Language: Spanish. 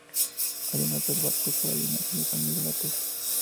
Hay un altar barroco para la imagen de San Miguel Arcángel.